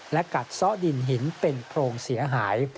และกัดซ่อดินหินเป็นโพรงเสียหาย